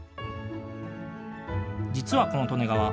実はこの利根川。